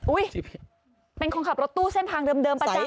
เป็นคนขับรถตู้เส้นทางเดิมประจำ